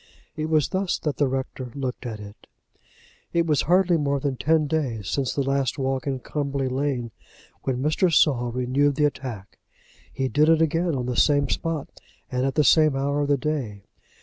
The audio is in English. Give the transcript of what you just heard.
It was thus that the rector looked at it. It was hardly more than ten days since the last walk in Cumberly Lane when Mr. Saul renewed the attack. He did it again on the same spot, and at the same hour of the day.